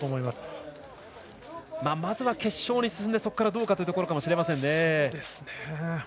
まずは決勝に進んでそこからどうかというところかもしれません。